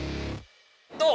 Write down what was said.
どう？